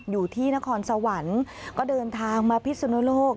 อยู่ที่นครสวรรค์ก็เดินทางมาพิสุนโลก